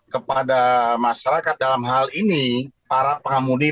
kepada masyarakat dalam hal ini para pengemudi